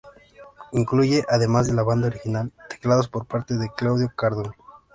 Incluye, además de la banda original, teclados por parte de Claudio Cardone.